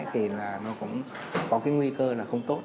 thì là nó cũng có cái nguy cơ là không tốt